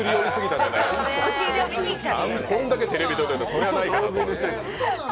こんだけテレビ出てて、それはないかなと思います。